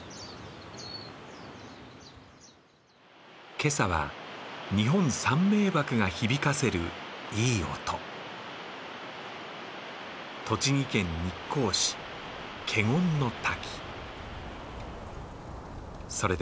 今朝は日本三名ばくが響かせるいい音、栃木県日光市、華厳の滝。